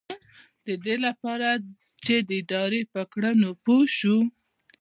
ددې لپاره چې د ادارې په کړنو پوه شو.